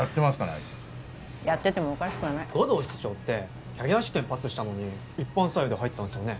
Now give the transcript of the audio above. あいつやっててもおかしくはない護道室長ってキャリア試験パスしたのに一般採用で入ったんすよね？